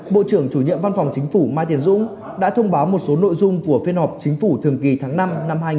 bộ trưởng chủ nhiệm văn phòng chính phủ mai tiến dũng đã thông báo một số nội dung của phiên họp chính phủ thường kỳ tháng năm năm hai nghìn hai mươi